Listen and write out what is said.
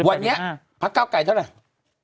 วันนี้พักเก้าไกลเท่าไหร่